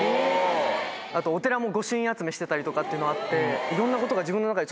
あとお寺も御朱印集めしてたりとかっていうのあって。